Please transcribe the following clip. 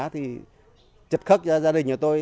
thì chật khắc gia đình của tôi